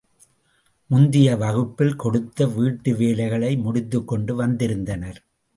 முந்திய வகுப்பில் கொடுத்த வீட்டு வேலைகளை முடித்துக் கொண்டு வந்திருந்தனர்.